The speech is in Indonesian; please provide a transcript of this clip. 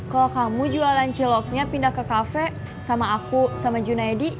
kalau kamu jualan ciloknya pindah ke kafe sama aku sama junaidi